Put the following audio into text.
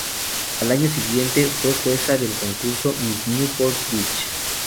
Al año siguiente, fue jueza del concurso Miss Newport Beach.